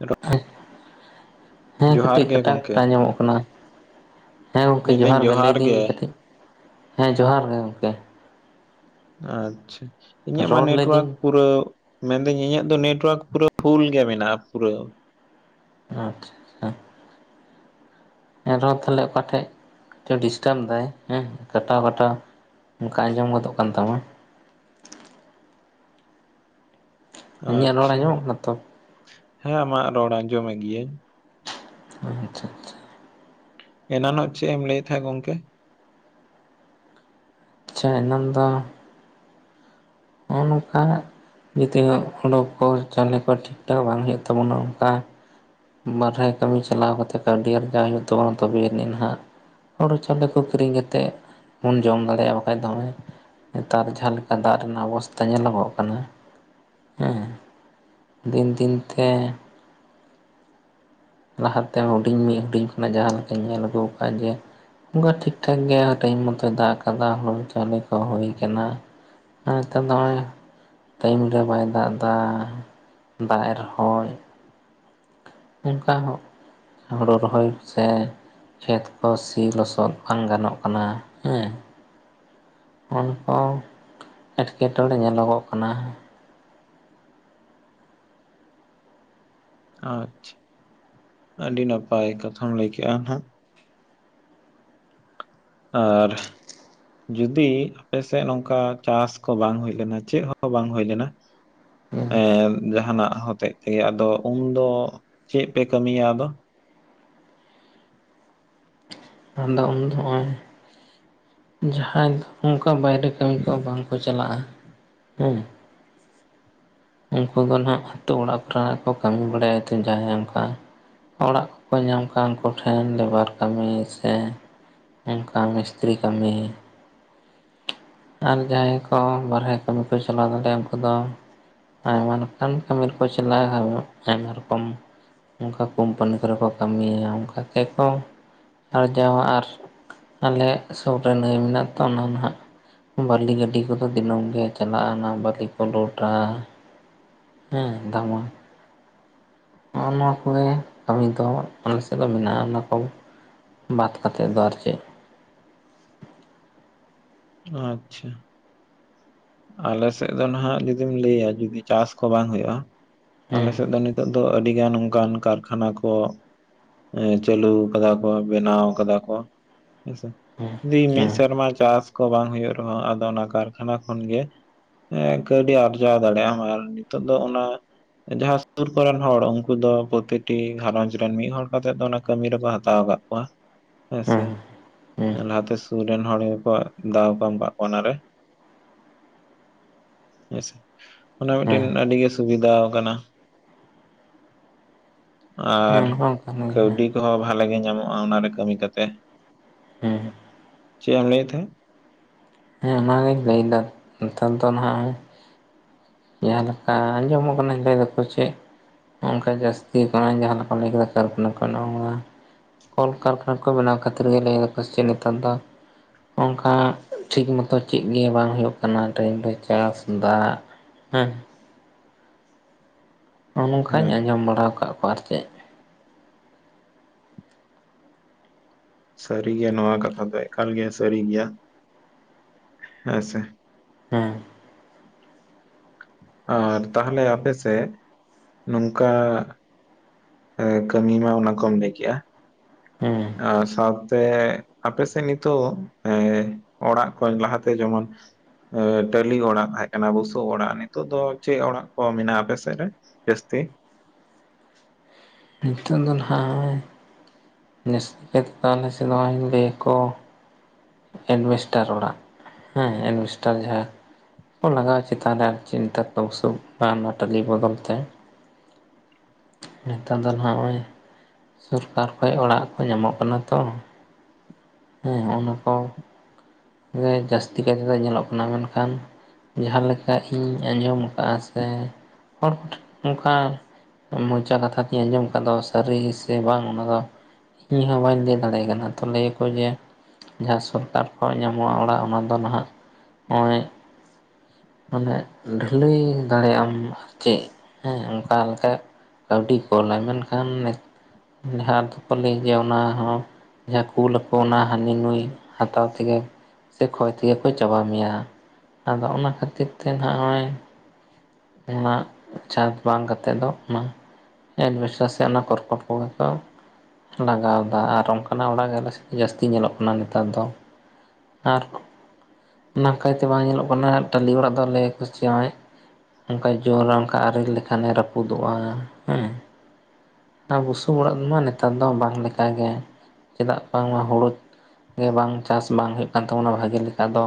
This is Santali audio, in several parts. ᱨᱚ- ᱦᱮᱸ ᱡᱚᱦᱟᱨ ᱠᱟᱹᱴᱤᱡ ᱜᱮ ᱜᱚᱝᱠᱮ ᱠᱟᱴᱟᱣ ᱧᱟᱢᱚᱜ ᱠᱟᱱᱟ ᱾ ᱦᱮᱸ ᱜᱚᱢᱠᱮ ᱡᱚᱦᱟᱨ ᱜᱮ ᱞᱟᱹᱭᱫᱟᱹᱧ ᱠᱟᱹᱴᱤᱡ ᱦᱮᱸ ᱡᱚᱦᱟᱨ ᱜᱮ ᱜᱚᱢᱠᱮ ᱾ ᱟᱪᱪᱷᱟ ᱤᱧᱟᱹᱜ ᱢᱟ ᱨᱚᱲ ᱱᱮᱴᱣᱟᱨᱠ ᱞᱮᱫᱟᱹᱧ ᱯᱩᱨᱟᱹ ᱾ ᱢᱮᱱᱫᱟᱹᱧ ᱤᱧᱟᱹᱜ ᱫᱚ ᱱᱮᱴᱳᱣᱟᱨᱠ ᱯᱩᱨᱟᱹ ᱯᱷᱩᱞ ᱜᱮ ᱢᱮᱱᱟᱜ-ᱟ ᱯᱩᱨᱟᱹ ᱾ ᱟᱪᱪᱷᱟ ᱾ ᱮᱱᱦᱚᱸ ᱛᱟᱦᱞᱮ ᱚᱠᱟᱴᱷᱮᱡ ᱰᱤᱥᱴᱟᱵᱽ ᱫᱟᱭ ᱦᱮᱸ ᱠᱟᱴᱟᱣ ᱠᱟᱴᱟᱣ ᱚᱱᱠᱟ ᱟᱸᱡᱚᱢ ᱜᱚᱫᱚᱜ ᱠᱟᱱ ᱛᱟᱢᱟ᱾ ᱤᱧᱟᱹᱜ ᱨᱚᱲ ᱟᱪᱪᱷᱟ ᱟᱸᱡᱚᱢᱚᱜ ᱠᱟᱱᱟ ᱛᱚ ᱦᱮᱸ ᱟᱢᱟᱜ ᱨᱚᱲ ᱟᱸᱡᱚᱢ ᱢᱮᱫ ᱜᱤᱭᱟᱹᱧ ᱾ ᱟᱪᱪᱷᱟ ᱟᱪᱪᱷᱟ ᱾ ᱮᱱᱟᱝ ᱪᱮᱫ ᱮᱢ ᱞᱟᱹᱭᱮᱫ ᱛᱟᱦᱮᱸ ᱜᱚᱝᱠᱮ? ᱟᱪᱪᱷᱟ ᱮᱱᱟᱱ ᱫᱚ ᱱᱚᱜᱼᱚ ᱱᱚᱝᱠᱟ ᱡᱩᱫᱤᱭᱚ ᱩᱰᱳᱠ ᱠᱚ ᱪᱟᱣᱞᱮ ᱠᱚ ᱴᱷᱤᱠ ᱴᱷᱟᱠ ᱵᱟᱝ ᱦᱩᱭᱩᱜ ᱛᱟᱵᱚᱱᱟ ᱚᱱᱠᱟ ᱵᱟᱨᱦᱮ ᱠᱟᱹᱢᱤ ᱪᱟᱞᱟᱣ ᱠᱟᱛᱮ ᱠᱟᱹᱣᱰᱤ ᱟᱨᱡᱟᱣ ᱦᱩᱭᱩᱜ ᱛᱟᱵᱚᱱᱟ᱾ ᱛᱚᱵᱮᱭᱱᱤᱡ ᱱᱟᱦᱟᱜ ᱦᱳᱲᱩ ᱪᱟᱣᱞᱮ ᱠᱚ ᱠᱤᱨᱤᱧ ᱠᱟᱛᱮᱜ ᱵᱚᱱ ᱡᱚᱢ ᱫᱟᱲᱮᱭᱟᱜᱼᱟ ᱵᱟᱠᱷᱟᱡ ᱫᱚ ᱦᱚᱜᱼᱚᱭ᱾ ᱱᱮᱛᱟᱨ ᱡᱟᱦᱟᱸ ᱞᱮᱠᱟ ᱫᱟᱜ ᱨᱮᱱᱟᱜ ᱚᱵᱚᱥᱛᱷᱟ ᱧᱮᱞᱚᱜᱚᱜ ᱠᱟᱱᱟ᱾ ᱦᱮᱸ ᱫᱤᱱ ᱫᱤᱱ ᱛᱮ ᱞᱟᱦᱟ ᱛᱮ ᱦᱩᱰᱤᱧ ᱢᱤᱫ ᱦᱩᱰᱤᱧ ᱠᱷᱚᱱᱟᱜ ᱡᱟᱦᱟᱸ ᱞᱮᱠᱟᱧ ᱧᱮᱞ ᱟᱹᱜᱩ ᱟᱠᱟᱫᱼᱟ ᱡᱮ ᱚᱱᱠᱟ ᱴᱷᱤᱠ ᱴᱷᱟᱠ ᱜᱮᱭᱟ ᱴᱟᱭᱤᱢ ᱢᱚᱛᱚᱭ ᱫᱟᱜ ᱟᱠᱟᱫᱟ ᱦᱩᱲᱩ ᱪᱟᱣᱞᱮ ᱠᱚ ᱦᱩᱭ ᱟᱠᱟᱱᱟ ᱾ ᱟᱨ ᱱᱮᱛᱟᱨ ᱫᱚ ᱦᱚᱜᱼᱚᱭ ᱴᱟᱭᱤᱢ ᱨᱮ ᱵᱟᱭ ᱫᱟᱜ ᱫᱟ᱾ ᱫᱟᱜ ᱮᱫ ᱨᱮ ᱦᱚᱭ ᱚᱱᱠᱟ ᱦᱚᱜ ᱦᱳᱲᱳ ᱨᱚᱦᱚᱭ ᱥᱮ ᱠᱷᱮᱛ ᱠᱚ ᱥᱤ ᱞᱚᱥᱚᱫ ᱵᱟᱝ ᱜᱟᱱᱚᱜ ᱠᱟᱱᱟ ᱦᱮᱸ ᱾ ᱩᱱ ᱠᱚ ᱮᱴᱠᱮᱴᱚᱬᱮ ᱧᱮᱞᱚᱜᱚᱜ ᱠᱟᱱᱟ ᱾ ᱟᱪᱪᱷᱟ ᱾ ᱟᱹᱰᱤ ᱱᱟᱯᱟᱭ ᱠᱟᱛᱷᱟᱢ ᱞᱟᱹᱭ ᱠᱮᱜᱼᱟ ᱱᱟᱜ ᱾ ᱟᱨ ᱡᱚᱫᱤ ᱟᱯᱮ ᱥᱮᱫ ᱱᱚᱝᱠᱟ ᱪᱟᱥ ᱠᱚ ᱵᱟᱝ ᱦᱩᱭᱳᱭ ᱞᱮᱱᱟ ᱾ ᱪᱮᱫ ᱦᱚᱸ ᱵᱟᱝ ᱦᱩᱭᱳᱭ ᱞᱮᱱᱟ ᱾ ᱦᱮᱸ ᱮ ᱡᱟᱦᱟᱱᱟᱜ ᱦᱚᱛᱮᱡ ᱛᱮᱜᱮ ᱟᱫᱚ ᱩᱱᱫᱚ ᱪᱮᱫ ᱯᱮ ᱠᱟᱹᱢᱤᱭᱟ ᱟᱫᱚ? ᱟᱫᱚ ᱩᱱ ᱫᱚ ᱦᱚᱸᱜᱼᱚᱭ ᱡᱟᱦᱟᱸᱭ ᱫᱚ ᱚᱝᱠᱟ ᱵᱟᱭᱨᱮ ᱠᱟᱹᱢᱤ ᱠᱚ ᱵᱟᱝ ᱠᱚ ᱪᱟᱞᱟᱜᱼᱟ ᱦᱮᱸ ᱾ ᱩᱱᱠᱩ ᱫᱚ ᱱᱷᱟᱜ ᱟᱛᱳ ᱚᱲᱟᱜ ᱠᱚᱨᱮ ᱱᱟᱜ ᱠᱚ ᱠᱟᱹᱢᱤ ᱵᱟᱲᱟᱭᱟ᱾ ᱡᱟᱦᱟᱸᱭ ᱚᱱᱠᱟ ᱚᱲᱟᱜ ᱠᱚᱠᱚ ᱧᱟᱢ ᱟᱠᱟᱱ ᱩᱱᱠᱩ ᱴᱷᱮᱱ ᱞᱮᱵᱟᱨ ᱠᱟᱹᱢᱤ᱾ ᱥᱮ ᱚᱱᱠᱟ ᱢᱤᱥᱛᱨᱤ ᱠᱟᱹᱢᱤ᱾ ᱟᱨ ᱡᱟᱦᱟᱸᱭ ᱠᱚ ᱵᱟᱦᱨᱮ ᱠᱟᱹᱢᱤ ᱠᱚ ᱪᱟᱞᱟᱣ ᱫᱟᱲᱮᱭᱟᱜᱼᱟ ᱩᱱᱠᱩ ᱫᱚ ᱟᱭᱢᱟ ᱞᱮᱠᱟᱱ ᱠᱟᱹᱢᱤ ᱨᱮ ᱠᱚ ᱪᱟᱞᱟᱜᱼᱟ ᱟᱭᱢᱟ ᱨᱚᱠᱚᱢ ᱚᱱᱠᱟ ᱠᱳᱢᱯᱟᱱᱤ ᱠᱚᱨᱮ ᱠᱚ ᱠᱟᱹᱢᱤᱭᱟ ᱚᱱᱠᱟ ᱜᱮᱠᱚ ᱟᱨᱡᱟᱣᱟ ᱟᱨ ᱟᱞᱮ ᱥᱩᱨ ᱨᱮ ᱱᱟᱹᱭ ᱢᱮᱱᱟᱜᱼᱟ ᱛᱚ ᱚᱱᱟ ᱱᱟᱦᱟᱜ ᱵᱟᱹᱞᱤ ᱜᱟᱹᱰᱤ ᱠᱚᱫᱚ ᱫᱤᱱᱟᱹᱢ ᱜᱮ ᱪᱟᱞᱟᱜᱼᱟ᱾ ᱚᱱᱟ ᱵᱟᱹᱞᱤ ᱠᱚ ᱞᱳᱰᱟ, ᱦᱮᱸ ᱫᱟᱢᱟ ᱦᱚᱜᱼᱚ ᱱᱚᱣᱟ ᱠᱚᱜᱮ ᱠᱟᱹᱢᱤ ᱫᱚ ᱟᱞᱮ ᱥᱮᱫ ᱫᱚ ᱢᱮᱱᱟᱜᱼᱟ ᱚᱱᱟ ᱠᱚ ᱾ ᱵᱟᱫ ᱠᱟᱛᱮᱜ ᱫᱚ ᱟᱨ ᱪᱮᱫ? ᱟᱪᱪᱷᱟ᱾ ᱟᱞᱮ ᱥᱮᱫ ᱫᱚ ᱱᱟᱦᱟᱜ ᱡᱩᱫᱤᱢ ᱞᱟᱹᱭᱟ ᱡᱩᱫᱤ ᱪᱟᱥ ᱠᱚ ᱵᱟᱝ ᱦᱩᱭᱩᱜᱼᱟ᱾ ᱟᱞᱮ ᱦᱮᱸ ᱥᱮᱫ ᱫᱚ ᱱᱤᱛ ᱱᱤᱛᱚᱜ ᱫᱚ ᱟᱹᱰᱤ ᱜᱟᱱ ᱚᱱᱠᱟᱱ ᱠᱟᱨᱠᱷᱟᱱᱟ ᱠᱚ ᱮ ᱪᱟᱹᱞᱩᱣ ᱠᱟᱫᱟ ᱠᱚ ᱵᱮᱱᱟᱣ ᱠᱟᱫᱟ ᱠᱚ᱾ ᱦᱮᱸᱥᱮ ᱦᱮᱸ ᱡᱩᱫᱤ ᱢᱤᱫ ᱦᱮᱸ ᱥᱮᱨᱢᱟ ᱪᱟᱥ ᱠᱚ ᱵᱟᱝ ᱦᱩᱭᱩᱜ ᱨᱮᱦᱚᱸ ᱟᱫᱚ ᱚᱱᱟ ᱠᱟᱨᱠᱷᱟᱱᱟ ᱠᱷᱚᱱ ᱜᱮ ᱠᱟᱹᱣᱰᱤ ᱟᱨᱡᱟᱣ ᱫᱟᱲᱮᱭᱟᱜ ᱟᱢ᱾ ᱟᱨ ᱱᱤᱛᱚᱜ ᱫᱚ ᱚᱱᱟ ᱡᱟᱦᱟᱸ ᱥᱩᱨ ᱠᱚᱨᱮᱱ ᱦᱚᱲ ᱩᱱᱠᱩ ᱫᱚ ᱯᱨᱚᱛᱮᱠᱴᱤ ᱜᱷᱟᱸᱨᱚᱧᱡᱽ ᱨᱮᱱ ᱢᱤᱫ ᱦᱚᱲ ᱠᱟᱛᱮᱜ ᱫᱚ ᱚᱱᱟ ᱠᱟᱹᱢᱤ ᱨᱮᱠᱚ ᱦᱟᱛᱟᱣ ᱟᱠᱟᱫ ᱦᱮᱸᱥᱮ ᱦᱮᱸ ᱦᱮᱸ ᱦᱮᱸ ᱞᱟᱦᱟᱛᱮ ᱥᱩᱨ ᱨᱮᱱ ᱦᱚᱲ ᱜᱮ ᱠᱚ ᱫᱟᱣ ᱠᱚ ᱮᱢ ᱠᱟᱜ ᱠᱚᱣᱟ ᱚᱱᱟᱨᱮ᱾ ᱦᱮᱸᱥᱮ ᱚᱱᱟ ᱦᱮᱸ ᱢᱤᱫᱴᱮᱱ ᱟᱹᱰᱤᱜᱮ ᱥᱩᱵᱤᱫᱷᱟᱣ ᱠᱟᱱᱟ᱾ ᱟᱨ ᱚᱱᱟ ᱦᱚᱸ ᱠᱟᱱ ᱜᱮᱭᱟ ᱠᱟᱹᱣᱰᱤ ᱠᱚᱦᱚᱸ ᱵᱷᱟᱞᱮ ᱜᱮ ᱧᱟᱢᱚᱜᱼᱟ ᱚᱱᱟᱨᱮ ᱠᱟᱹᱢᱤ ᱠᱟᱛᱮ᱾ ᱦᱮᱸ ᱾ ᱪᱮᱜ ᱮᱢ ᱞᱟᱹᱭ ᱮᱫ ᱛᱟᱦᱮᱸᱫ? ᱦᱮᱸ ᱚᱱᱟᱜᱤᱧ ᱞᱟᱹᱭᱫᱟ ᱱᱮᱛᱟᱨ ᱫᱚ ᱱᱟᱦᱟᱜ ᱮ ᱡᱟᱦᱟᱸ ᱞᱮᱠᱟ ᱟᱸᱡᱚᱢᱚᱜ ᱠᱟᱱᱟ ᱡᱮ ᱞᱟᱹᱭ ᱫᱟᱠᱚ ᱪᱮᱫ ᱱᱚᱝᱠᱟ ᱡᱟᱹᱥᱛᱤ [unintelligible] ᱡᱟᱦᱟᱸ ᱞᱮᱠᱟᱢ ᱞᱟᱹᱭ ᱠᱮᱫᱟ ᱠᱟᱨᱠᱷᱚᱟᱱᱟ ᱠᱚ ᱱᱚᱠᱟ ᱠᱚᱞ ᱠᱟᱨᱠᱷᱟᱱᱟ ᱠᱚ ᱵᱮᱱᱟᱣ ᱠᱷᱟᱹᱛᱤᱨ ᱜᱮ ᱞᱟᱹᱭ ᱫᱟᱠᱚ ᱥᱮᱪᱮᱫ ᱱᱮᱛᱟᱨ ᱫᱚ ᱚᱱᱠᱟ ᱴᱷᱤᱠ ᱢᱚᱛᱚ ᱪᱮᱫ ᱜᱮ ᱵᱟᱝ ᱦᱩᱭᱩᱜ ᱠᱟᱱᱟ᱾ ᱴᱟᱹᱤᱢ ᱨᱮ ᱪᱟᱥ, ᱫᱟᱜ, ᱦᱮᱸ ᱾ ᱱᱚᱜᱼᱚ ᱱᱚᱝᱠᱟᱧ ᱦᱮᱸ ᱟᱸᱡᱚᱢ ᱵᱟᱲᱟᱣ ᱟᱠᱟᱫ ᱠᱚᱣᱟ ᱟᱨ ᱪᱮᱫ ᱾ ᱥᱟᱹᱨᱤ ᱜᱮᱭᱟ ᱱᱚᱣᱟ ᱠᱟᱛᱷᱟ ᱫᱚ ᱮᱠᱟᱞ ᱜᱮ ᱥᱟᱹᱨᱤ ᱜᱮᱭᱟ ᱦᱮᱸ ᱥᱮ ᱾ ᱦᱮᱸ ᱾ ᱟᱨ ᱛᱟᱦᱚᱞᱮ ᱟᱯᱮ ᱥᱮᱫ ᱱᱚᱝᱠᱟ ᱼᱼ ᱠᱟᱹᱢᱤ ᱢᱟ ᱚᱱᱟ ᱠᱚᱢ ᱞᱟᱹᱭ ᱠᱮᱜᱼᱟ ᱾ ᱦᱮᱸ ᱾ ᱟᱨ ᱥᱟᱶᱛᱮ ᱟᱯᱮ ᱥᱮᱫ ᱱᱤᱛᱚᱜ ᱮᱸᱼᱼ ᱚᱲᱟᱜ ᱠᱚ ᱞᱟᱦᱟᱛᱮ ᱡᱮᱢᱚᱱ ᱼᱼ ᱴᱟᱹᱞᱤ ᱚᱲᱟᱜ ᱛᱟᱦᱮᱸ ᱠᱟᱱᱟ ᱵᱩᱥᱩᱵ ᱚᱲᱟᱜ ᱱᱤᱛᱚᱜ ᱫᱚ ᱪᱮᱫ ᱚᱲᱟᱜ ᱠᱚ ᱢᱮᱱᱟᱜᱼᱟ ᱟᱯᱮ ᱥᱮᱫ ᱨᱮ? ᱡᱟᱹᱥᱛᱤ? ᱱᱤᱛᱚᱜ ᱫᱚ ᱱᱚᱜᱼᱚᱭ ᱼᱼ ᱡᱟᱹᱥᱛᱤ ᱠᱟᱭᱛᱮ [unintelligible] ᱵᱮ ᱠᱚ ᱼᱼ ᱮᱰᱵᱮᱥᱴᱟᱨ ᱚᱲᱟᱜ ᱦᱮᱸ ᱮᱰᱵᱮᱥᱴᱟᱨ ᱡᱟᱦᱟᱸ ᱼᱼ ᱞᱟᱜᱟᱣᱟ ᱪᱮᱛᱟᱱ ᱨᱮ ᱟᱨ [unintelligible] ᱚᱱᱟ ᱴᱟᱹᱞᱤ ᱵᱚᱫᱚᱞ ᱛᱮ ᱾ ᱱᱮᱛᱟᱨ ᱫᱚ ᱱᱚᱜᱼᱚᱭ ᱥᱚᱨᱠᱟᱨ ᱠᱷᱚᱡ ᱚᱲᱟᱜ ᱠᱚ ᱧᱟᱢᱚᱜ ᱠᱟᱱᱟ ᱛᱚ ᱾ ᱦᱮᱸ ᱚᱱᱟ ᱠᱚ ᱼᱼ ᱜᱮ ᱡᱟᱹᱥᱛᱤ ᱠᱟᱭ ᱛᱮ ᱫᱚ ᱧᱮᱞᱚᱜ ᱠᱟᱱᱟ ᱢᱮᱱᱠᱷᱟᱱ ᱼᱼ ᱡᱟᱦᱟᱸ ᱞᱮᱠᱟ ᱤᱧᱤᱧ ᱟᱸᱡᱚᱢ ᱟᱠᱟᱫᱼᱟ ᱥᱮ [unintelligible] ᱚᱱᱠᱟ ᱼᱼ ᱢᱚᱪᱟ ᱠᱟᱛᱷᱟ ᱛᱤᱧ ᱟᱸᱡᱚᱢ ᱟᱠᱟᱫ ᱫᱚ ᱥᱟᱹᱨᱤ ᱥᱮ ᱵᱟᱝ ᱚᱱᱟ ᱫᱚ ᱼᱼ ᱤᱧ ᱦᱚᱸ ᱵᱟᱹᱧ ᱞᱟᱹᱭ ᱫᱟᱲᱮᱭᱟᱜ ᱠᱟᱱᱟ ᱛᱚ ᱞᱟᱹᱭ ᱟᱠᱚ ᱡᱮ ᱡᱟᱦᱟᱸ ᱥᱚᱨᱠᱟᱨ ᱼᱼ ᱧᱟᱢᱚᱜᱼᱟ ᱚᱲᱟᱜ ᱚᱱᱟ ᱫᱚ ᱱᱟᱦᱟᱜ ᱱᱚᱜᱼᱚᱭ ᱼᱼ ᱢᱟᱱᱮ ᱰᱷᱟᱹᱞᱟᱹᱭ ᱫᱟᱲᱮᱭᱟᱜ ᱟᱢ ᱟᱨ ᱪᱮᱫ ᱦᱮᱸ ᱚᱱᱠᱟ ᱞᱮᱠᱟ ᱼᱼ ᱠᱟᱹᱣᱰᱤ ᱠᱳᱞᱟᱭ ᱢᱮᱱᱠᱷᱟᱱ ᱼᱼ ᱡᱟᱦᱟᱸ ᱫᱚ ᱠᱚ ᱞᱟᱹᱭ ᱡᱮ ᱚᱱᱟ ᱦᱚᱸ ᱡᱟᱦᱟᱸ ᱠᱩᱞ ᱟᱠᱚ ᱚᱱᱟ ᱦᱟᱹᱱᱤ ᱱᱩᱭ ᱦᱟᱛᱟᱣ ᱼᱼ ᱛᱮᱜᱮ ᱥᱮ ᱠᱷᱚᱭ ᱛᱮᱜᱮ ᱠᱚ ᱪᱟᱵᱟ ᱢᱮᱭᱟ ᱟᱫᱚ ᱚᱱᱟ ᱠᱷᱟᱹᱛᱤᱨ ᱛᱮ ᱱᱟᱜᱼᱚᱭ ᱼᱼ ᱡᱟᱦᱟ ᱪᱟᱥ ᱵᱟᱝ ᱠᱟᱛᱮᱫ ᱫᱚ ᱚᱱᱟ ᱼᱼ ᱮᱰᱵᱮᱥᱴᱟᱨ ᱥᱮ ᱚᱱᱟ ᱠᱚᱨᱠᱚᱴ ᱠᱚᱦᱚ ᱠᱚ ᱼᱼ ᱞᱟᱜᱟᱣ ᱫᱟ ᱟᱨ ᱚᱱᱠᱟᱱᱟᱜ ᱚᱲᱟᱜ ᱜᱮ ᱟᱞᱮ ᱥᱮᱱ ᱫᱚ ᱡᱟᱹᱥᱛᱤ ᱧᱮᱞᱚᱜ ᱠᱟᱱᱟ ᱱᱮᱛᱟᱨ ᱫᱚ ᱾ ᱟᱨ ᱚᱱᱟ ᱠᱟᱭᱛᱮ ᱵᱟᱝ ᱧᱮᱞᱚᱜ ᱠᱟᱱᱟ ᱴᱟᱹᱞᱤ ᱚᱲᱟᱜ ᱞᱟᱹᱭ ᱟᱠᱚ ᱪᱮ ᱱᱚᱜᱼᱚᱭ ᱼᱼ ᱚᱱᱠᱟᱭ ᱡᱚᱨ ᱚᱱᱠᱟ ᱟᱨᱮᱞ ᱞᱮᱠᱷᱟᱱᱮ ᱨᱟᱹᱯᱩᱫᱚᱜᱼᱟ ᱦᱮᱸ ᱾ ᱚᱱᱟ ᱵᱩᱥᱩᱵ ᱚᱲᱟᱜ ᱢᱟ ᱱᱮᱛᱟᱨ ᱫᱚ ᱵᱟᱝ ᱞᱮᱠᱟ ᱜᱮ ᱪᱮᱫᱟᱜ ᱵᱟᱝᱢᱟ ᱦᱩᱲᱳ ᱼᱼ ᱜᱮ ᱵᱟᱝ ᱪᱟᱥ ᱵᱟᱝ ᱦᱩᱭᱩᱜ ᱠᱟᱱ ᱛᱟᱵᱚᱱᱟ ᱵᱷᱟᱜᱮ ᱞᱮᱠᱟ ᱫᱚ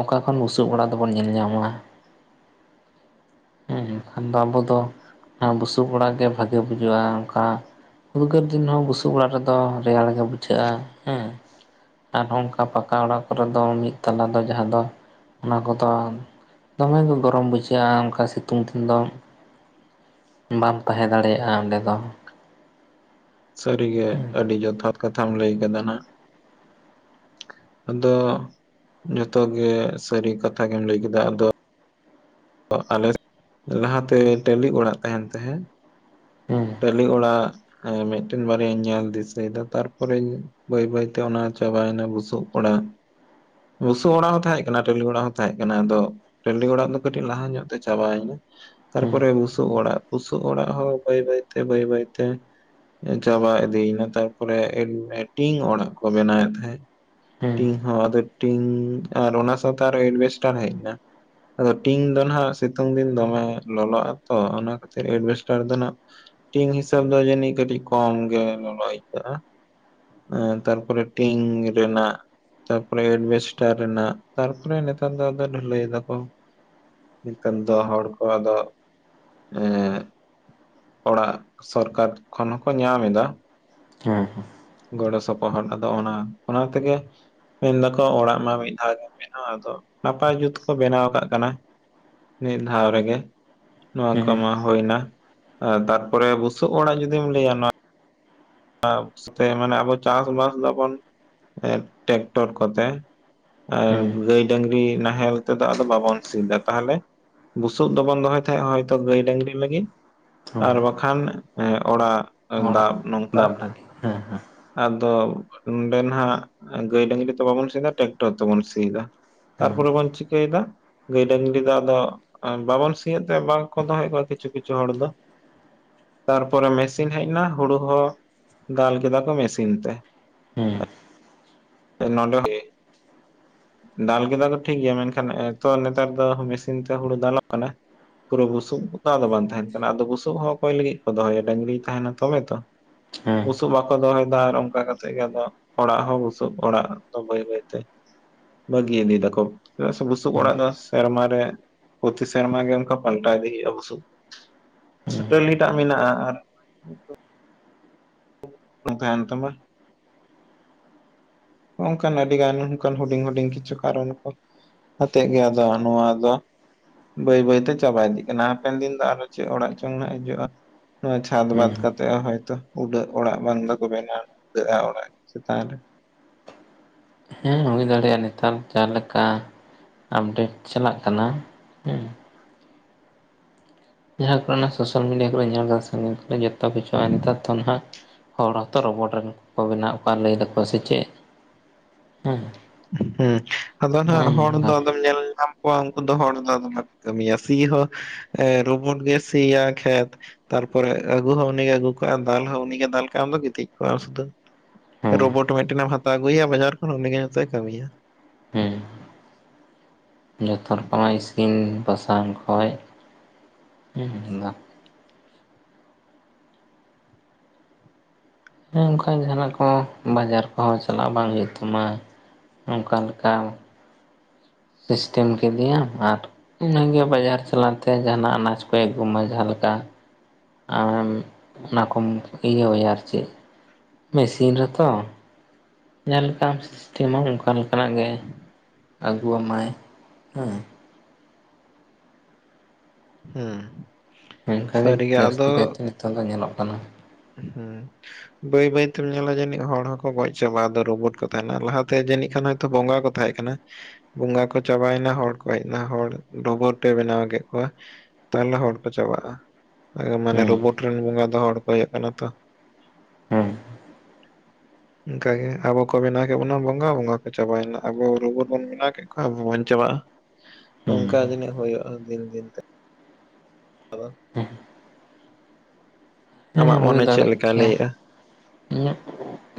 ᱚᱠᱟ ᱠᱷᱚᱱ ᱵᱩᱥᱩᱵ ᱚᱲᱟᱜ ᱫᱚᱵᱚᱱ ᱧᱮᱞ ᱧᱟᱢᱟ ᱾ ᱦᱮᱸ ᱮᱱᱠᱷᱟᱱ ᱫᱚ ᱟᱵᱚ ᱫᱚ ᱵᱩᱥᱩᱵ ᱚᱲᱟᱜ ᱜᱮ ᱵᱷᱟᱜᱮ ᱵᱩᱡᱷᱩᱜᱼᱟ ᱚᱱᱠᱟ ᱼᱼ ᱩᱫᱽᱜᱟᱹᱨ ᱫᱤᱱ ᱦᱚᱸ ᱵᱩᱥᱩᱵ ᱚᱲᱟᱜ ᱨᱮᱫᱚ ᱨᱮᱭᱟᱲ ᱜᱮ ᱵᱩᱡᱷᱟᱹᱜᱼᱟ ᱦᱮᱸ ᱾ ᱟᱨ ᱱᱚᱝᱠᱟ ᱯᱟᱠᱟ ᱚᱲᱟᱜ ᱠᱚᱨᱮ ᱫᱚ ᱢᱤᱫ ᱛᱟᱞᱟ ᱫᱚ ᱡᱟᱦᱟᱸ ᱫᱚ ᱚᱱᱟ ᱠᱚᱫᱚ ᱼᱼ ᱫᱚᱢᱮ ᱜᱮ ᱜᱚᱨᱚᱢ ᱵᱩᱡᱷᱟᱹᱜᱼᱟ ᱚᱱᱠᱟ ᱥᱤᱛᱩᱝ ᱫᱤᱱ ᱫᱚ ᱾ ᱵᱟᱢ ᱛᱟᱦᱮᱸ ᱫᱟᱲᱮᱭᱟᱜᱼᱟ ᱚᱸᱰᱮ ᱫᱚ ᱾ ᱥᱟᱹᱨᱤᱜᱮ ᱟᱹᱰᱤ ᱡᱚᱛᱷᱟᱛ ᱠᱟᱛᱷᱟᱢ ᱞᱟᱹᱭ ᱟᱠᱟᱫᱟ ᱱᱟᱜ ᱾ ᱟᱫᱚ ᱡᱚᱛᱚ ᱜᱮ ᱥᱟᱹᱨᱤ ᱠᱟᱛᱷᱟ ᱜᱮᱢ ᱞᱟᱹᱭ ᱠᱮᱫᱟ ᱟᱫᱚᱼᱼ ᱟᱞᱮ ᱞᱟᱦᱟ ᱛᱮ ᱴᱟᱹᱞᱤ ᱚᱲᱟᱜ ᱛᱟᱦᱮᱱ ᱛᱟᱦᱮᱸᱜ ᱼᱼ ᱦᱮᱸ ᱴᱟᱹᱞᱤ ᱚᱲᱟᱜ ᱢᱤᱫᱴᱮᱱ ᱵᱟᱨᱭᱟᱧ ᱧᱮᱞ ᱫᱤᱥᱟᱹᱭᱮᱫᱟ ᱛᱟᱨᱯᱚᱨᱮᱧ ᱼᱼ ᱵᱟᱹᱭ ᱵᱟᱹᱭ ᱛᱮ ᱚᱱᱟ ᱪᱟᱵᱟᱭᱮᱱᱟ ᱵᱩᱥᱩᱵᱽ ᱚᱲᱟᱜ ᱾ ᱵᱩᱥᱩᱵᱽ ᱚᱲᱟᱜ ᱦᱚᱸ ᱛᱟᱦᱮᱸ ᱠᱟᱱᱟ ᱴᱟᱹᱞᱤ ᱚᱲᱟᱜ ᱦᱚᱸ ᱛᱟᱦᱮᱸ ᱠᱟᱱᱟ ᱟᱫᱚ ᱴᱟᱹᱺᱞᱤ ᱚᱲᱟᱜ ᱫᱚ ᱼᱼ ᱠᱟᱹᱴᱤᱡ ᱞᱟᱦᱟ ᱧᱚᱜ ᱛᱮ ᱪᱟᱵᱟᱭᱮᱱᱟ ᱾ ᱦᱮᱸ ᱛᱟᱨᱯᱚᱨᱮ ᱵᱩᱥᱩᱵᱽ ᱚᱲᱟᱜ, ᱵᱩᱥᱩᱵᱽ ᱚᱲᱟᱜ ᱦᱚᱸ ᱵᱟᱹᱭ ᱵᱟᱹᱭ ᱛᱮ ᱵᱟᱹᱭ ᱵᱟᱹᱭ ᱛᱮ ᱼᱼ ᱪᱟᱵᱟ ᱤᱫᱤᱭᱮᱱᱟ ᱛᱟᱨᱯᱚᱨᱮ ᱴᱤᱝ ᱚᱲᱟᱜ ᱠᱚ ᱵᱮᱱᱟᱣᱮᱫ ᱛᱟᱦᱮᱸᱫ ᱾ ᱦᱮᱸ ᱴᱤᱝ ᱦᱚ ᱟᱫᱚ ᱴᱤᱝ ᱟᱨ ᱚᱱᱟ ᱥᱟᱶᱛᱮ ᱟᱨᱚ ᱮᱰᱵᱷᱮᱥᱴᱟᱨ ᱦᱚᱸ ᱦᱮᱡ ᱮᱱᱟ ᱾ ᱟᱫᱚ ᱴᱤᱝ ᱫᱚ ᱱᱟᱦᱟᱜ ᱥᱤᱛᱩᱝ ᱫᱤᱱ ᱫᱚᱢᱮ ᱞᱚᱞᱚᱜᱼᱟ ᱛᱚ ᱚᱱᱟ ᱠᱷᱟᱹᱛᱤᱨ ᱮᱰᱵᱷᱮᱥᱴᱟᱨ ᱫᱚ ᱱᱟᱦᱟᱜ ᱼᱼ ᱴᱤᱝ ᱦᱤᱥᱟᱹᱵ ᱫᱚ ᱡᱟᱱᱤᱡ ᱠᱚᱢ ᱜᱮ ᱞᱚᱞᱚ ᱟᱹᱭᱠᱟᱹᱜᱼᱟ ᱾ ᱛᱟᱨᱯᱚᱨᱮ ᱴᱤᱝ ᱨᱮᱱᱟᱜ ᱛᱟᱨᱯᱚᱨᱮ ᱮᱰᱢᱤᱥᱴᱟᱨ ᱨᱮᱱᱟᱜ ᱛᱟᱨᱯᱚᱨᱮ ᱱᱮᱛᱟᱨ ᱫᱚ ᱰᱷᱟᱹᱞᱟᱹᱭ ᱫᱟᱠᱚ ᱱᱮᱛᱟᱱ ᱫᱚ ᱦᱚᱲ ᱠᱚ ᱟᱫᱚ ᱮ ᱚᱲᱟᱜ ᱥᱚᱨᱠᱟᱨ ᱠᱷᱚᱱ ᱦᱚᱸᱠᱚ ᱧᱟᱢ ᱮᱫᱟ ᱦᱮᱸ ᱦᱮᱸ ᱜᱚᱲᱚ ᱥᱚᱯᱚᱦᱚᱫ ᱟᱫᱚ ᱚᱱᱟ ᱚᱱᱟ ᱛᱮᱜᱮ ᱢᱮᱱ ᱫᱟᱠᱚ ᱚᱲᱟᱜ ᱢᱟ ᱢᱤᱫ ᱫᱷᱟᱣ ᱜᱮᱢ ᱵᱮᱱᱟᱣᱟ ᱟᱫᱚ ᱱᱟᱯᱟᱭ ᱡᱩᱛ ᱠᱚ ᱵᱮᱱᱟᱣ ᱠᱟᱫ ᱠᱟᱱᱟ ᱢᱤᱫ ᱫᱷᱟᱣ ᱨᱮᱜᱮ ᱱᱚᱣᱟ ᱠᱚ ᱦᱮᱸ ᱢᱟ ᱦᱩᱭᱱᱟ ᱛᱟᱨᱯᱚᱨᱮ ᱵᱩᱥᱩᱵ ᱚᱲᱟᱜ ᱡᱩᱫᱤᱢ ᱞᱟᱹᱭᱟ ᱱᱚᱣᱟ ᱢᱟᱱᱮ ᱟᱵᱚ ᱪᱟᱥᱵᱟᱥ ᱫᱟᱵᱚᱱ ᱴᱮᱠᱴᱚᱨ ᱠᱚᱛᱮ ᱟᱨ ᱦᱮᱸ ᱜᱟᱹᱭ ᱰᱟᱹᱝᱨᱤ ᱱᱟᱦᱮᱞ ᱛᱮᱫᱚ ᱟᱫᱚ ᱵᱟᱵᱚᱱ ᱥᱤᱭ ᱮᱫᱟ ᱛᱟᱦᱚᱞᱮ ᱵᱩᱥᱩᱵ ᱫᱚᱵᱚᱱ ᱫᱚᱦᱚᱭ ᱛᱟᱦᱮᱸᱜ ᱦᱚᱭᱛᱚ ᱜᱟᱹᱭ ᱰᱟᱹᱝᱨᱤ ᱞᱟᱹᱜᱤᱫ ᱟᱨ ᱦᱮᱸ ᱵᱟᱠᱷᱟᱱ ᱚᱲᱟᱜ ᱚᱲᱟᱜ ᱫᱟᱵᱽ ᱫᱟᱵ ᱵᱷᱟᱜᱤ ᱦᱮᱸᱻᱦᱮᱸᱻ ᱟᱫᱚ ᱱᱚᱰᱮ ᱦᱟᱸᱜ ᱜᱟᱹᱭ ᱰᱟᱹᱝᱨᱤ ᱛᱮ ᱵᱟᱵᱚᱱ ᱥᱤ ᱫᱟ ᱴᱨᱟᱠᱴᱚᱨ ᱛᱮᱵᱚᱱ ᱥᱤᱭᱮᱫ ᱫᱟ ᱦᱮᱸ ᱛᱟᱨᱯᱚᱨᱮ ᱵᱚᱱ ᱪᱤᱠᱟᱹᱭ ᱫᱟ ᱜᱟᱹᱭ ᱰᱟᱹᱝᱨᱤ ᱫᱚ ᱟᱫᱚ ᱵᱟᱵᱚᱱ ᱥᱤ ᱮ ᱛᱮ ᱵᱟᱝ ᱠᱚ ᱫᱚᱦᱚᱭᱮᱫ ᱠᱚᱣᱟ ᱠᱤᱪᱷᱩ ᱠᱤᱪᱷᱩ ᱦᱚᱲ ᱫᱚ ᱛᱟᱨᱯᱚᱨᱮ ᱢᱮᱥᱤᱱ ᱦᱮᱡ ᱮᱱᱟ ᱦᱩᱲᱩ ᱦᱚᱸ ᱫᱟᱞ ᱠᱮᱫᱟ ᱠᱚ ᱢᱮᱥᱤᱱ ᱛᱮ ᱦᱮᱸ [unintelligible] ᱫᱟᱞ ᱠᱮᱫᱟ ᱠᱚ ᱴᱷᱤᱠ ᱜᱮᱭᱟ ᱢᱮᱱᱠᱷᱟᱱ ᱮᱛᱚ ᱱᱮᱛᱟᱨ ᱫᱚ ᱢᱮᱥᱤᱱ ᱛᱮ ᱦᱩᱲᱩ ᱫᱟᱞᱚᱜ ᱠᱟᱱᱟ ᱠᱩᱫᱚ ᱵᱩᱥᱩᱵ ᱜᱮᱛᱚ ᱟᱫᱚ ᱵᱟᱝ ᱛᱟᱦᱮᱱ ᱠᱟᱱᱟ ᱟᱫᱚ ᱵᱩᱥᱩᱵ ᱦᱚᱸ ᱚᱠᱚᱭ ᱞᱟᱹᱜᱤᱫ ᱠᱚ ᱫᱚᱦᱚᱭᱟ ᱰᱟᱹᱝᱨᱤᱭ ᱛᱟᱦᱮᱱᱟ ᱛᱚᱵᱮ ᱛᱚ ᱦᱮᱸ ᱵᱩᱥᱩᱵ ᱵᱟᱠᱚ ᱫᱚᱦᱚᱭᱮᱫᱟ ᱟᱨ ᱚᱝᱠᱟ ᱠᱟᱛᱮᱜ ᱜᱮ ᱟᱫᱚ ᱚᱲᱟᱜ ᱦᱚᱸ ᱵᱩ ᱼᱼ ᱥᱩᱵ ᱚᱲᱟᱜ ᱫᱚ ᱵᱟᱹᱭ ᱵᱟᱹᱭ ᱛᱮ ᱵᱟᱹᱜᱤ ᱤᱫᱤᱭ ᱫᱟᱠᱚ ᱪᱮᱫᱟᱜ ᱥᱮ ᱵᱩᱥᱩᱵ ᱚᱲᱟᱜ ᱫᱚ ᱥᱮᱨᱢᱟ ᱨᱮ ᱯᱚᱛᱤ ᱥᱮᱨᱢᱟ ᱜᱮ ᱩᱱᱠᱟ ᱯᱟᱞᱴᱟᱣ ᱤᱫᱤ ᱦᱩᱭᱩᱜᱼᱟ ᱵᱩᱥᱩᱵ ᱦᱮᱸ ᱪᱷᱟᱹᱴᱟᱹᱞᱤ ᱴᱟᱜ ᱢᱮᱱᱟᱜᱼᱟ ᱟᱨ ᱱᱚᱝᱠᱟ ᱮᱱ ᱛᱟᱢᱟ ᱦᱚᱱᱠᱟᱱ ᱟᱹᱰᱤ ᱜᱟᱱ ᱚᱱᱠᱟᱱ ᱦᱩᱰᱤᱧ ᱦᱩᱰᱤᱧ ᱠᱤᱪᱷᱩ ᱠᱟᱨᱚᱱ ᱠᱚ ᱟᱛᱮᱜᱮ ᱟᱫᱚ ᱟ ᱱᱚᱣᱟ ᱟᱫᱚ ᱵᱟᱹᱭ ᱵᱟᱹᱭᱛᱮ ᱪᱟᱵᱟ ᱤᱫᱤᱜ ᱠᱟᱱᱟ ᱦᱟᱯᱮᱱ ᱫᱤᱱ ᱫᱚ ᱟᱨᱚ ᱪᱮᱫ ᱚᱲᱟᱜ ᱪᱚᱝ ᱱᱟᱦᱟᱜ ᱦᱤᱡᱩᱜᱼᱟ ᱱᱚᱣᱟ ᱪᱷᱟᱫᱽ ᱦᱮᱸ ᱵᱟᱫᱽ ᱦᱮᱸ ᱠᱟᱛᱮᱜ ᱦᱚᱸ ᱦᱚᱭᱛᱚ ᱩᱰᱟᱹᱜ ᱚᱲᱟᱜ ᱵᱟᱝ ᱫᱚᱠᱚ ᱵᱮᱱᱟᱣᱱᱟ ᱩᱰᱟᱹᱜᱼᱟ ᱚᱲᱟᱜ ᱪᱮᱛᱟᱱ ᱨᱮ ᱦᱮᱸ ᱦᱩᱭ ᱫᱟᱲᱮᱭᱟᱜᱼᱟ ᱱᱮᱛᱟᱨ ᱡᱟᱦᱟᱸᱞᱮᱠᱟ ᱟᱯᱰᱮᱴ ᱪᱟᱞᱟᱜ ᱠᱟᱱᱟ ᱦᱮᱸ ᱡᱟᱦᱟᱸ ᱠᱚ ᱚᱱᱟ ᱥᱳᱥᱟᱞ ᱢᱤᱰᱤᱭᱟ ᱠᱚᱨᱮ ᱧᱮᱞ ᱫᱟ ᱥᱮ ᱚᱱᱟ ᱡᱚᱛᱚ ᱠᱤᱪᱷᱩᱼᱟ ᱱᱮᱛᱟᱨ ᱛᱚ ᱱᱟᱦᱟᱜ ᱦᱚᱲ ᱦᱚᱸᱛᱚ ᱨᱚᱵᱚᱴ ᱨᱮᱱ ᱠᱚ ᱵᱮᱱᱟᱣᱮᱫ ᱠᱚᱣᱟ ᱞᱟᱹᱭ ᱫᱟᱠᱚ ᱥᱮ ᱪᱮᱫ ᱦᱮᱸ ᱦᱩᱸ ᱟᱫᱚ ᱱᱚᱜᱼᱚ ᱱᱟᱦᱟᱜ ᱦᱚᱲ ᱫᱚ ᱱᱚᱝᱠᱟ ᱟᱫᱚᱢ ᱧᱮᱞ ᱧᱟᱢ ᱠᱩᱣᱟ ᱩᱱᱠᱩ ᱫᱚ ᱦᱚᱲ ᱫᱚ ᱟᱫᱚ ᱵᱟᱠᱚ ᱠᱟᱹᱢᱤᱭᱟ ᱥᱤ ᱦᱚᱸ ᱨᱳᱵᱳᱴ ᱜᱮ ᱥᱤᱭᱟ ᱠᱷᱮᱛ ᱛᱟᱨᱯᱚᱨᱮ ᱟᱹᱜᱩ ᱦᱚᱸ ᱩᱱᱤᱜᱮ ᱟᱹᱜᱩ ᱠᱟᱜᱼᱟ ᱫᱟᱞ ᱦᱚᱸ ᱩᱱᱤᱜᱮ ᱫᱟᱞ ᱠᱟᱜᱼᱟ ᱟᱢ ᱫᱚ ᱜᱤᱛᱤᱡ ᱠᱚ ᱟᱢ ᱥᱩᱫᱷᱟᱹ ᱦᱮᱸ ᱨᱳᱵᱳᱴ ᱢᱤᱫ ᱴᱮᱱᱮᱢ ᱦᱟᱛᱟᱣ ᱟᱜᱩᱭᱮᱭᱟ ᱵᱟᱡᱟᱨ ᱠᱷᱚᱱ ᱩᱱᱤᱜᱮ ᱡᱷᱚᱛᱚᱭ ᱠᱟ. ᱢᱤᱭᱟ ᱦᱮᱸ ᱡᱚᱛᱚ ᱨᱚᱠᱚᱢᱟᱜ ᱤᱥᱤᱱ ᱵᱟᱥᱟᱝ ᱠᱷᱚᱡ ᱦᱩᱸ ᱫᱟ ᱩᱱᱠᱟᱱ ᱡᱟᱦᱟᱱᱟᱜ ᱠᱚ ᱵᱟᱡᱟᱨ ᱠᱚᱦᱚᱸ ᱪᱟᱞᱟᱜ ᱵᱟᱝ ᱦᱩᱭᱩᱜ ᱛᱟᱢᱟ ᱚᱱᱠᱟ ᱞᱮᱠᱟ ᱥᱤᱥᱴᱮᱢ ᱠᱮᱫᱮᱭᱟᱢ ᱟᱨ ᱤᱱᱟᱹᱜᱮ ᱵᱟᱡᱟᱨ ᱪᱟᱞᱟᱜ ᱛᱮ ᱡᱟᱦᱟᱱᱟᱜ ᱟᱱᱟᱡᱽ ᱠᱚᱭ ᱟᱹᱜᱩᱢᱟ ᱡᱟᱦᱟᱸ ᱞᱮᱠᱟ ᱟᱢ ᱚᱱᱟ ᱠᱚᱢ ᱤᱭᱟᱹᱣᱟᱭᱟ ᱟᱨ ᱪᱮᱫ ᱢᱮᱥᱤᱱ ᱨᱮᱛᱚ ᱡᱟᱦᱟᱸ ᱞᱮᱠᱟᱢ ᱥᱤᱥᱴᱮᱢᱟ ᱚᱱᱠᱟ ᱞᱮᱠᱟᱱᱟᱜ ᱜᱮ ᱟᱹᱜᱩᱣᱟᱢᱟᱭ ᱦᱮᱸ ᱦᱩᱸ ᱚᱱᱠᱟᱜᱮ ᱡᱟᱹᱥᱛᱤ ᱠᱟᱭᱛᱮ ᱱᱤᱛᱚᱜ ᱫᱚ ᱧᱮᱞᱚᱜ ᱠᱟᱱᱟ ᱦᱩᱸ ᱵᱟᱹᱭ ᱵᱟᱹᱭ ᱛᱮᱢ ᱧᱮᱞᱟ ᱡᱟᱹᱱᱤᱡ ᱦᱚᱲ ᱦᱚᱸᱠᱚ ᱜᱚᱡ ᱪᱟᱵᱟᱼᱟ ᱟᱫᱚ ᱨᱳᱵᱩᱴ ᱠᱚ ᱛᱟᱦᱮᱱᱟ ᱞᱟᱦᱟᱛᱮ ᱡᱟᱹᱱᱤᱡ ᱠᱷᱟᱱ ᱵᱚᱸᱜᱟ ᱠᱚ ᱛᱟᱦᱮᱸ ᱠᱟᱱᱟ ᱵᱚᱸᱜᱟ ᱠᱚ ᱪᱟᱵᱟᱭᱮᱱᱟ ᱦᱚᱲ ᱠᱚ ᱦᱮᱡ ᱮᱱᱟ, ᱦᱚᱲ ᱨᱳᱵᱳᱴᱮ ᱵᱮᱱᱟᱣ ᱠᱮᱜ ᱠᱚᱣᱟ ᱛᱟᱦᱞᱮ ᱦᱚᱲ ᱠᱚ ᱪᱟᱵᱟᱜᱼᱟ, ᱢᱟᱱᱮ ᱦᱮᱸ ᱨᱳᱵᱳᱴ ᱨᱮᱱ ᱵᱚᱸᱜᱟ ᱫᱚ ᱦᱚᱲ ᱠᱚ ᱦᱩᱭᱩᱜ ᱠᱟᱱᱟ ᱛᱚ ᱦᱩᱸ [inaudible] ᱚᱝᱠᱟᱟ ᱜᱮ ᱟᱵᱚ ᱠᱚ ᱵᱮᱱᱟᱣ ᱠᱮᱜ ᱵᱚᱱᱟ ᱵᱚᱸᱜᱟ ᱵᱚᱸᱜᱟ ᱠᱚ ᱪᱟᱵᱟᱭᱮᱱᱟ ᱟᱵᱚ ᱨᱩᱵᱳᱴ ᱵᱚᱱ ᱵᱮᱱᱟᱣ ᱠᱮᱜ ᱟ ᱟᱵᱚ ᱵᱚᱱ ᱪᱟᱵᱟᱜᱼᱟ ᱦᱮᱸ ᱱᱚᱝᱠᱟ ᱡᱤᱱᱤᱡ ᱦᱩᱭᱩᱜᱼᱟ ᱫᱤᱱ ᱫᱤᱱ ᱛᱮ ᱟᱫᱚ ᱦᱮᱸ ᱟᱢᱟᱜ ᱦᱩᱭ ᱢᱚᱱᱮ ᱫᱟᱲᱮᱜ ᱪᱮᱫᱞᱮᱠᱟᱭ ᱜᱮᱭᱟ ᱞᱟᱹᱭᱮᱜᱼᱟ ᱤᱧᱟᱹᱜ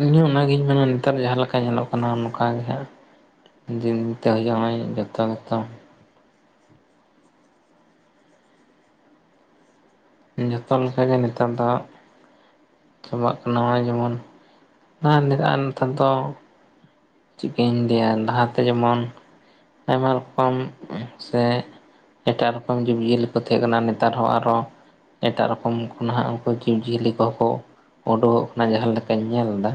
ᱤᱧ ᱦᱚᱸ ᱚᱱᱟᱜᱤᱧ ᱢᱮᱱᱟ ᱱᱮᱛᱟᱨ ᱡᱟᱦᱟᱸ ᱞᱮᱠᱟ ᱧᱮᱞᱚᱜ ᱠᱟᱱᱟ ᱚᱱᱠᱟ ᱜᱮ ᱦᱟᱸᱜ ᱫᱤᱱ ᱛᱮ ᱡᱟᱸᱦᱟᱭ ᱡᱚᱛᱚ ᱜᱮᱛᱚ ᱡᱚᱛᱚ ᱞᱮᱠᱟᱜᱮ ᱱᱮᱛᱟᱨ ᱫᱚ ᱪᱟᱵᱟᱜ ᱠᱟᱱᱟ ᱱᱚᱜᱼᱚᱭ ᱡᱮᱢᱚᱱ ᱟᱨ ᱞᱟᱜᱟᱜᱼᱟ ᱱᱮᱛᱟᱨ ᱫᱚ ᱪᱮᱜᱠᱟᱧ ᱞᱟᱹᱭᱟ ᱞᱟᱦᱟᱛᱮ ᱡᱮᱢᱚᱱ ᱟᱭᱢᱟ ᱨᱚᱠᱚᱢ ᱥᱮ ᱮᱴᱟᱜ ᱨᱚᱠᱚᱢ ᱡᱤᱵᱽᱼᱡᱤᱭᱟᱹᱞᱤ ᱠᱚ ᱛᱟᱦᱮᱸ ᱠᱟᱱᱟ ᱱᱮᱛᱟᱨ ᱦᱚᱸ ᱟᱨᱚ ᱮᱴᱟᱜ ᱨᱚᱠᱚᱢ ᱠᱚ ᱱᱟᱦᱟᱜ ᱩᱝᱠᱩ ᱡᱤᱵᱽ ᱡᱤᱭᱟᱹᱞᱤ ᱠᱚᱦᱚᱸ ᱠᱚ ᱩᱰᱩᱜᱚᱜ ᱠᱟᱱᱟ ᱡᱟᱦᱟᱸ ᱞᱮᱠᱟᱧ ᱧᱮᱞᱫᱟ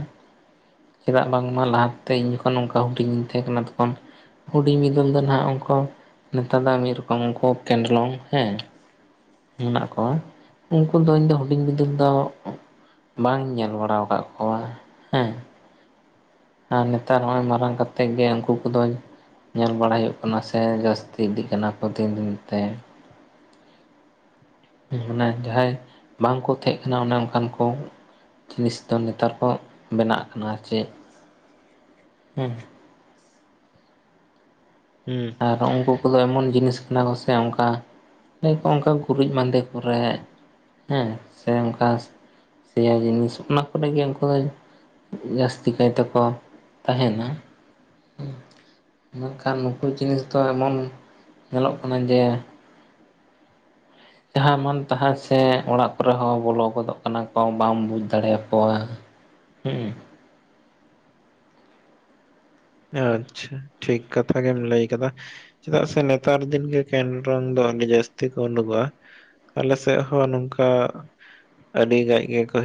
ᱪᱮᱫᱟᱜ ᱵᱟᱝᱢᱟ ᱞᱟᱦᱟ ᱛᱮ ᱤᱧ ᱡᱚᱠᱷᱚᱱ ᱱᱚᱝᱠᱟ ᱦᱩᱰᱤᱧᱤᱧ ᱛᱟᱦᱮᱸ ᱠᱟᱱᱟ ᱛᱚᱠᱷᱚᱱ ᱦᱩᱰᱤᱧ ᱵᱤᱫᱟᱹᱞ ᱫᱚ ᱱᱟᱜ ᱚᱱᱠᱟ ᱱᱮᱛᱟᱨ ᱫᱚ ᱢᱤᱫ ᱨᱚᱠᱚᱢ ᱩᱝᱠᱩ ᱠᱮᱱᱰᱞᱚᱝ ᱦᱮᱸ ᱢᱮᱱᱟᱜ ᱠᱚᱣᱟ ᱩᱝᱠᱩ ᱫᱚ ᱤᱧ ᱫᱚ ᱦᱩᱰᱤᱧ ᱵᱤᱫᱟᱹᱞ ᱫᱚ ᱵᱟᱝᱤᱧ ᱧᱮᱞ ᱵᱟᱲᱟ ᱟᱠᱟᱫ ᱠᱚᱣᱟ, ᱦᱩᱸ᱾ ᱟᱨ ᱱᱮᱛᱟᱨ ᱦᱚᱸᱜᱼᱚᱭ ᱢᱟᱨᱟᱝ ᱠᱟᱛᱮᱫ ᱜᱮ ᱩᱱᱠᱩ ᱠᱚᱫᱚᱧ ᱧᱮᱞ ᱵᱟᱲᱟᱭ ᱦᱩᱭᱩᱜ ᱠᱟᱱᱟ ᱥᱮ ᱡᱟᱹᱥᱛᱤ ᱤᱫᱤᱜ ᱠᱟᱱᱟ ᱠᱚ ᱫᱤᱱ ᱫᱤᱱ ᱛᱮ ᱢᱟᱱᱮ ᱡᱟᱦᱟᱸᱭ ᱵᱟᱝᱠᱚ ᱛᱮᱦᱮᱸᱜ ᱠᱟᱱᱟ ᱚᱱᱮ ᱚᱝᱠᱟᱱ ᱠᱚ ᱡᱤᱱᱤᱥ ᱛᱟᱢ ᱱᱮᱛᱟᱨ ᱠᱚ ᱵᱮᱱᱟᱜ ᱠᱟᱱᱟ ᱪᱮᱫ ᱦᱩᱸ ᱦᱩᱸ ᱟᱨ ᱩᱝᱠᱩ ᱠᱚᱫᱚ ᱮᱢᱚᱱ ᱡᱤᱱᱤᱥ ᱠᱟᱱᱟ ᱠᱚ ᱥᱮ ᱚᱝᱠᱟ ᱞᱟᱹᱭᱟᱠᱚ ᱚᱝᱠᱟ ᱜᱩᱨᱤᱡ ᱢᱟᱸᱫᱮ ᱠᱚᱨᱮᱜ ᱦᱮᱸ ᱥᱮ ᱚᱝᱠᱟ ᱥᱮᱭᱟ ᱡᱤᱱᱤᱥ ᱚᱱᱟ ᱠᱚᱨᱮ ᱜᱮ ᱩᱝᱠᱩ ᱫᱚ ᱡᱟᱹᱥᱛᱤ ᱠᱟᱭᱛᱮᱠᱚ ᱛᱟᱦᱮᱱᱟ ᱢᱮᱱᱠᱷᱟᱱ ᱱᱩᱠᱩ ᱡᱤᱱᱤᱥ ᱫᱚ ᱮᱢᱚᱱ ᱧᱮᱞᱚᱜ ᱠᱟᱱᱟ ᱡᱮ ᱡᱟᱦᱟᱸ ᱢᱟᱱ ᱛᱟᱦᱟᱸ ᱥᱮ ᱚᱲᱟᱜ ᱠᱚᱨᱮ ᱦᱚᱸ ᱵᱚᱞᱚ ᱜᱚᱫᱚᱜ ᱠᱟᱱᱟ ᱠᱚ ᱵᱟᱢ ᱵᱩᱡᱽ ᱫᱟᱲᱮᱭᱟᱠᱚᱣᱟ ᱦᱮᱸ ᱟᱪᱪᱷᱟ ᱴᱷᱤᱠ ᱠᱟᱛᱷᱟ ᱜᱮᱢ ᱞᱟᱹᱭ ᱠᱟᱫᱟ ᱪᱮᱫᱟᱜ ᱥᱮ ᱱᱮᱛᱟᱨ ᱫᱤᱱ ᱜᱮ ᱠᱮᱱᱰᱨᱚᱝ ᱫᱚ ᱟᱹᱰᱤ ᱡᱟᱹᱥᱛᱤ ᱠᱚ ᱩᱰᱩᱜᱚᱜᱼᱟ ᱟᱞᱮ ᱥᱮᱫ ᱦᱚᱸ ᱱᱚᱝᱠᱟ ᱟᱹᱰᱤ ᱜᱟᱡ ᱜᱮᱠᱚ